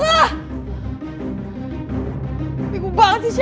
ini gue banget sih